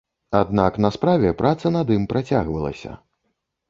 Аднак на справе праца над ім працягвалася.